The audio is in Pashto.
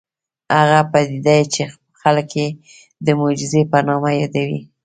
هغه پدیده چې خلک یې د معجزې په نامه یادوي